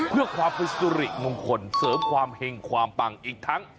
เพื่อความเป็นสุริมงคลเสริมความเห็งความปังอีกทั้ง